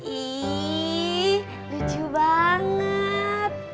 ih lucu banget